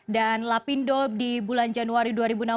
dan lapindo di bulan januari dua ribu enam belas